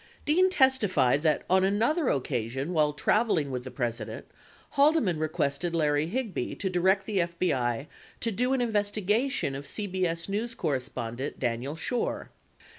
91 Dean testified that on another occasion while traveling with the President, Haldeman requested Larry Higby to direct the FBI to do an investigation of CBS news correspondent Daniel Schorr.